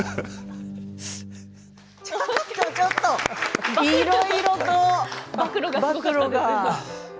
ちょっとちょっといろいろと暴露が。